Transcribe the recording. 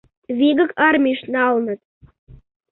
Вигак армийыш налыныт.